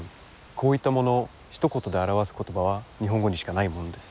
こういったものをひと言で表す言葉は日本語にしかないものです。